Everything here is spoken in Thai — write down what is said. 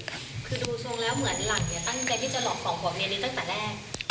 คือดูทรงแล้วเหมือนหลานเนี่ยตั้งใจที่จะหลอกสองผัวเมียนี้ตั้งแต่แรก